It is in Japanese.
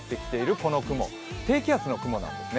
この雲、低気圧の雲なんですね。